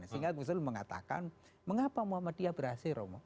sehingga ghosnola mengatakan mengapa muhammadiyah berhasil romoh